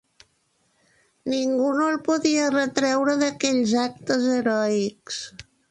Ningú no el podia retreure d'aquells actes heroics.